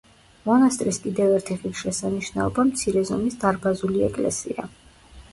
მონასტრის კიდევ ერთი ღირსშესანიშნაობა მცირე ზომის დარბაზული ეკლესია.